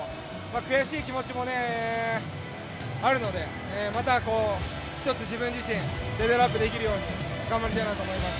悔しい気持ちも、あるので、また一つ自分自身レベルアップできるように頑張りたいなと思います。